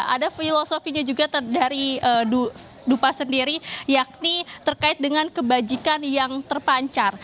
ada filosofinya juga dari dupa sendiri yakni terkait dengan kebajikan yang terpancar